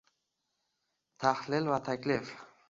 Tahlil va taklif.